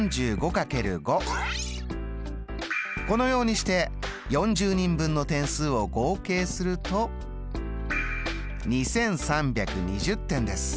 このようにして４０人分の点数を合計すると２，３２０点です。